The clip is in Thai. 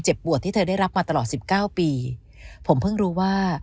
ปวดที่เธอได้รับมาตลอดสิบเก้าปีผมเพิ่งรู้ว่า